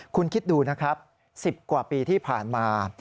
คุณคิดดูนะครับ๑๐กว่าปีที่ผ่านมา